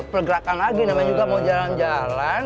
pergerakan lagi namanya juga mau jalan jalan